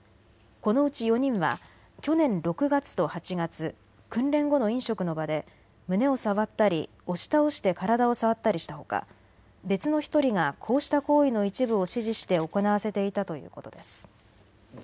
このうち４人は去年６月と８月、訓練後の飲食の場で胸を触ったり押し倒して体を触ったりしたほか別の１人がこうした行為の一部を指示して行わせていたということです。